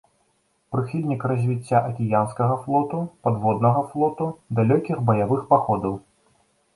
Прыхільнік развіцця акіянскага флоту, падводнага флоту, далёкіх баявых паходаў.